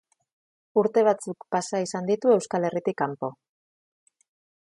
Urte batzuk pasa izan ditu Euskal Herritik kanpo.